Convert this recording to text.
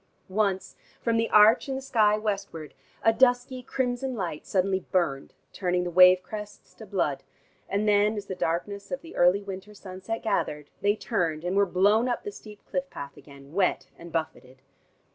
Once from the arch in the sky westwards, a dusky crimson light suddenly burned, turning the wave crests to blood, and then as the darkness of the early winter sunset gathered, they turned, and were blown up the steep cliff path again, wet and buffeted.